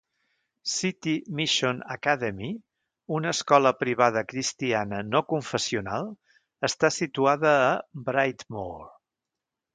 City Mission Academy, una escola privada cristiana no confessional, està situada a Brightmoor.